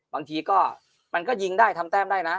บางทีก็มันก็ยิงได้ทำแต้มได้นะ